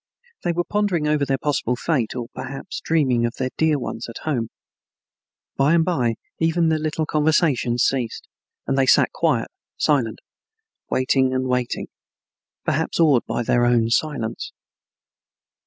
They were pondering over their possible fate, or perhaps dreaming of their dear ones at home. By and by even the little conversation ceased, and they sat quite silent, waiting and waiting, perhaps awed by their own silence.